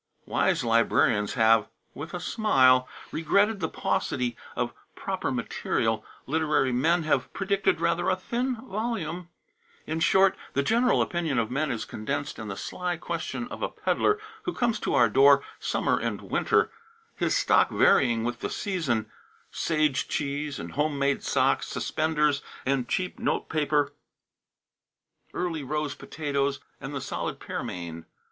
Wise librarians have, with a smile, regretted the paucity of proper material; literary men have predicted rather a thin volume; in short, the general opinion of men is condensed in the sly question of a peddler who comes to our door, summer and winter, his stock varying with the season: sage cheese and home made socks, suspenders and cheap note paper, early rose potatoes and the solid pearmain.